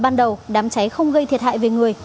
ban đầu đám cháy không gây thiệt hại về người